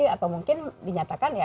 atau mungkin dinyatakan ya